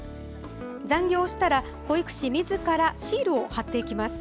残業したら、保育士みずからシールを貼っていきます。